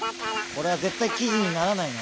これはぜったいきじにならないな。